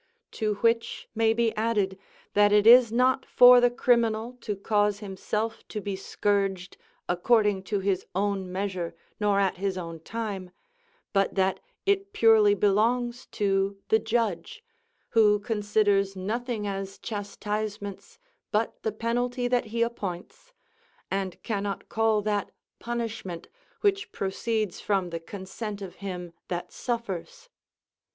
To which may be added, that it is not for the criminal to cause himself to be scourged according to his own measure nor at his own time, but that it purely belongs to the judge, who considers nothing as chastisements but the penalty that he appoints, and cannot call that punishment which proceeds from the consent of him that suffers.